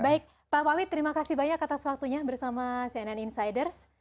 baik pak pawit terima kasih banyak atas waktunya bersama cnn insiders